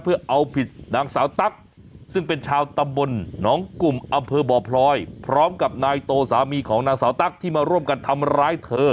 เพื่อเอาผิดนางสาวตั๊กซึ่งเป็นชาวตำบลหนองกลุ่มอำเภอบ่อพลอยพร้อมกับนายโตสามีของนางสาวตั๊กที่มาร่วมกันทำร้ายเธอ